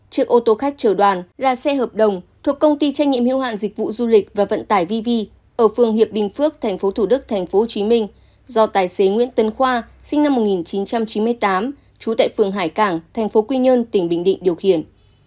chiếc ô tô khách chở đoàn là xe hợp đồng thuộc công ty trách nhiệm hiệu hạn dịch vụ du lịch và vận tải vv ở phường hiệp bình phước tp thủ đức tp hcm do tài xế nguyễn tấn khoa sinh năm một nghìn chín trăm chín mươi tám trú tại phường hải cảng tp quy nhơn tỉnh bình định điều khiển